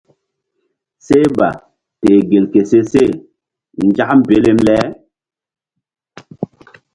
Seh ba teh gel ke se she nzak belem le.